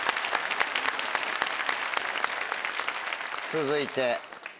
続いて。